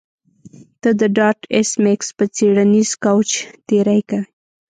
ته د ډارت ایس میکس په څیړنیز کوچ تیری کوې